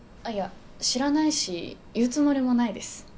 あっいや知らないし言うつもりもないです